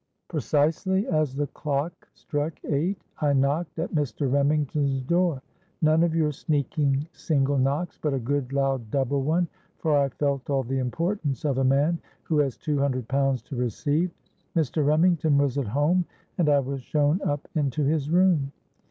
"Precisely as the clock struck eight, I knocked at Mr. Remington's door,—none of your sneaking single knocks; but a good loud double one—for I felt all the importance of a man who has two hundred pounds to receive. Mr. Remington was at home, and I was shown up into his room.